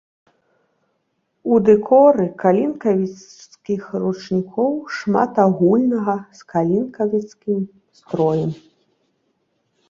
У дэкоры калінкавіцкіх ручнікоў шмат агульнага з калінкавіцкім строем.